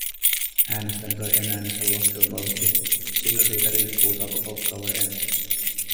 Äänestän tai en äänestä laskelmoivasti, sillä siitä riippuu, saanko palkkaa vai en.